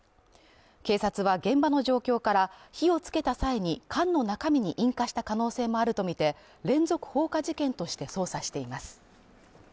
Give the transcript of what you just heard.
警察は現場の状況から火をつけた際に、缶の中身に引火した可能性もあるとみて、連続放火事件として捜査しています。